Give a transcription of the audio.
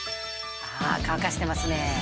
乾かしてますね。